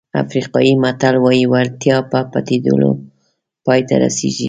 افریقایي متل وایي وړتیا په پټېدلو پای ته رسېږي.